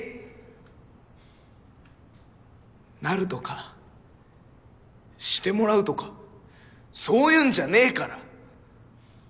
なるとかしてもらうとかそういうんじゃねぇから！